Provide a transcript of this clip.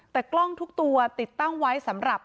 แต่กล้องทุกตัวติดตั้งไว้สำหรับ